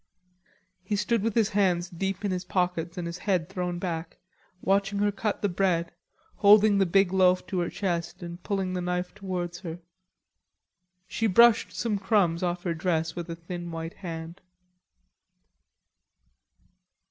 He stood with his hands deep in his pockets and his head thrown back, watching her cut the bread, holding the big loaf to her chest and pulling the knife towards her, she brushed some crumbs off her dress with a thin white hand.